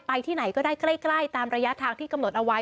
ที่ไหนก็ได้ใกล้ตามระยะทางที่กำหนดเอาไว้